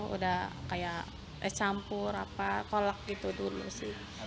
udah kayak es campur apa kolak gitu dulu sih